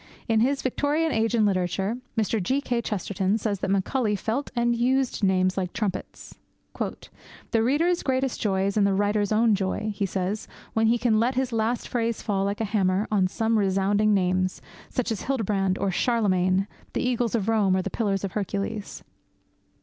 In his Victorian Age in Literature, Mr. G. K. Chesterton says that Macaulay felt and used names like trumpets. 'The reader's greatest joy is in the writer's own joy,' he says, 'when he can let his last phrase fall like a hammer on some resounding names, such as Hildebrand or Charlemagne, the eagles of Rome or the pillars of Hercules.